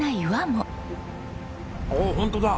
おおホントだ。